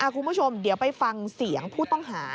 คุณผู้ชมเดี๋ยวไปฟังเสียงผู้ต้องหา